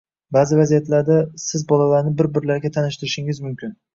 Ba’zi vaziyatlarda siz bolalarni bir-birlariga tanishtirishingiz mumkin